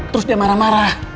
terus dia marah marah